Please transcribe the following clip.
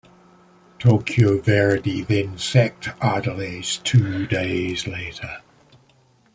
Tokyo Verdy then sacked Ardiles two days later.